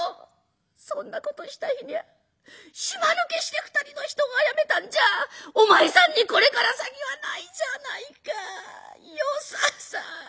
そんなことをした日にゃ島抜けして２人の人をあやめたんじゃあお前さんにこれから先はないじゃないか与三さん」。